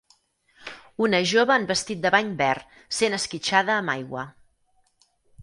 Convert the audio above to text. Una jove en vestit de bany verd sent esquitxada amb aigua.